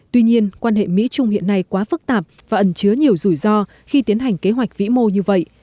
tuy nhiên quan hệ mỹ trung hiện nay quá phức tạp và ẩn chứa nhiều rủi ro khi tiến hành kế hoạch vĩ mô như vậy